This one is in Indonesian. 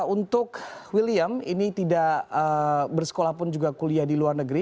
untuk william ini tidak bersekolah pun juga kuliah di luar negeri